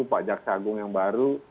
pak jaksa agung yang baru